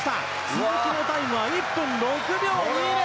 鈴木のタイムは１分６秒２０。